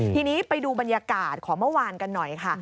ทีนี้ไปดูบรรยากาศของเมื่อวานกันหน่อยค่ะ